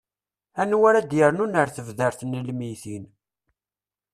anwa ara d-yernun ar tebdart n lmeyytin